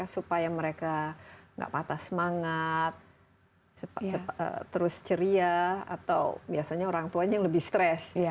supaya mereka nggak patah semangat terus ceria atau biasanya orang tuanya yang lebih stres